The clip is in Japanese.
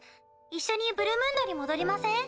一緒にブルムンドに戻りません？